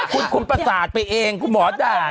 คุณประสาทไปเองคุณหมอด่า